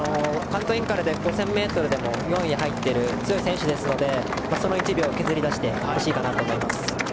関東インカレで５０００ｍでも４位に入っている強い選手ですのでその１秒を削り出してほしいかなと思います。